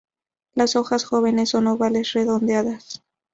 Las hojas jóvenes son ovales redondeadas.